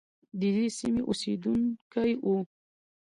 ددې سیمې اوسیدونکی وو.